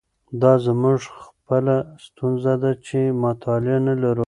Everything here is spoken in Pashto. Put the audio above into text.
دا زموږ خپله ستونزه ده چې مطالعه نه لرو.